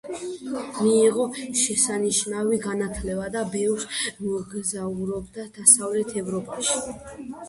მიიღო შესანიშნავი განათლება და ბევრს მოგზაურობდა დასავლეთ ევროპაში.